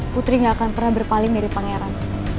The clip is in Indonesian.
putri gak akan pernah berpaling dari pangeran